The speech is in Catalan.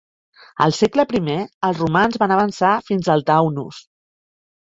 Al segle primer, els romans van avançar fins al Taunus.